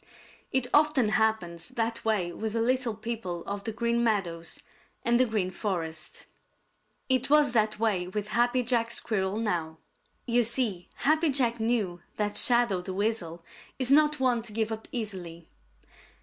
It often happens that way with the little people of the Green Meadows and the Green Forest. It was that way with Happy Jack Squirrel now. You see, Happy Jack knew that Shadow the Weasel is not one to give up easily.